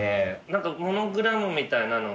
何かモノグラムみたいなの。